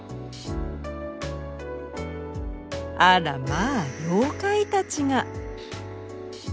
あらまあ妖怪たちが！